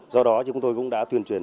do đó chúng tôi cũng đã tuyên truyền